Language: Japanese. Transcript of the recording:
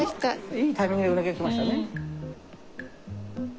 いいタイミングで鰻が来ましたね。